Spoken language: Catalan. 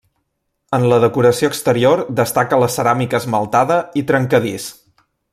En la decoració exterior destaca la ceràmica esmaltada i trencadís.